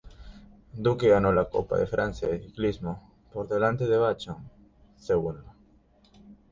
Duque ganó la Copa de Francia de Ciclismo, por delante de Vachon, segundo.